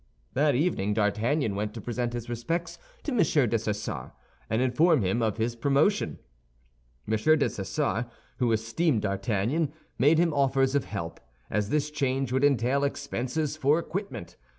That evening D'Artagnan went to present his respects to M. Dessessart, and inform him of his promotion. M. Dessessart, who esteemed D'Artagnan, made him offers of help, as this change would entail expenses for equipment.